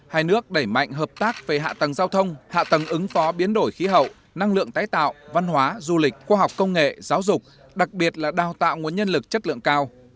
hai nước đẩy mạnh hợp tác về hạ tầng giao thông hạ tầng ứng phó biến đổi khí hậu năng lượng tái tạo văn hóa du lịch khoa học công nghệ giáo dục đặc biệt là đào tạo nguồn nhân lực chất lượng cao